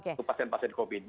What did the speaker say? untuk pasien pasien covid